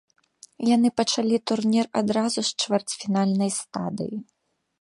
Яны пачалі турнір адразу з чвэрцьфінальнай стадыі.